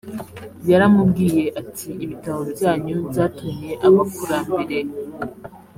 yaramubwiye ati ibitabo byanyu byatumye abakurambere